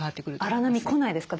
荒波来ないですか？